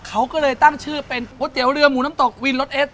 เขาก็เลยตั้งชื่อเป็นก๋วยเตี๋ยวเรือหมูน้ำตกวินรถเอส